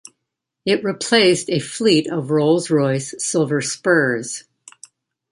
It replaced a fleet of Rolls-Royce Silver Spurs.